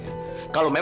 mas ini gak usah